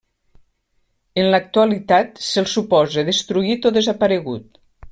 En l'actualitat se'l suposa destruït o desaparegut.